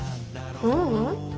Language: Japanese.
ううん。